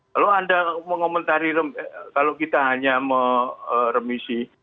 kalau anda mengomentari kalau kita hanya meremisi